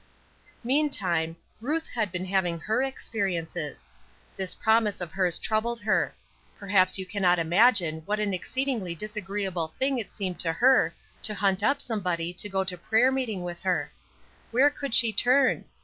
Meantime, Ruth had been having her experiences. This promise of hers troubled her. Perhaps you cannot imagine what an exceedingly disagreeable thing it seemed to her to go hunting up somebody to go to prayer meeting with her. Where could she turn?